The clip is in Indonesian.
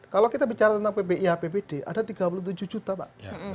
kalau kita bicara tentang pbih ppd ada tiga puluh tujuh juta pak